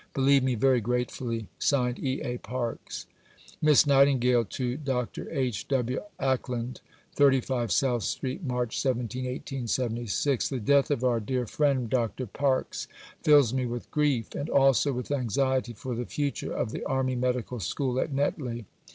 Believe me, very gratefully, (signed) E. A. PARKES. (Miss Nightingale to Dr. H. W. Acland.) 35 SOUTH STREET, March 17 . The death of our dear friend, Dr. Parkes, fills me with grief: and also with anxiety for the future of the Army Medical School at Netley.